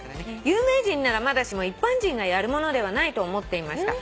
「有名人ならまだしも一般人がやるものではないと思っていました」